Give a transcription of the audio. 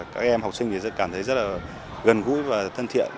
các em học sinh thì sẽ cảm thấy rất là gần gũi và thân thiện